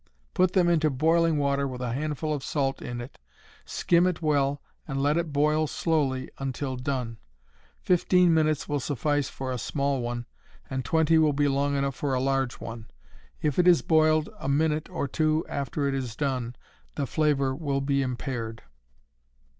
Put them into boiling water with a handful of salt in it, skim it well and let it boil slowly till done. Fifteen minutes will suffice for a small one, and twenty will be long enough for a large one. If it is boiled a minute or two after it is done the flavor will be impaired.